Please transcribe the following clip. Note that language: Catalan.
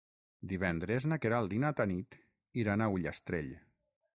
Divendres na Queralt i na Tanit iran a Ullastrell.